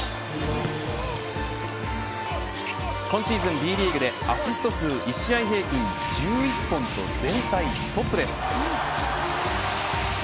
今シーズンＢリーグでアシスト数１試合平均１１本と全体トップです。